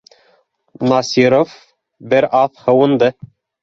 Насиров бер аҙ һыуынды: